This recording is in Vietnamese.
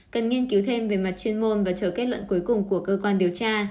cần nghiên cứu thêm về mặt chuyên môn và chờ kết luận cuối cùng của cơ quan điều tra